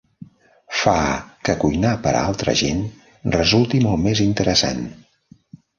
Fa que cuinar per a altra gent resulti molt més interessant.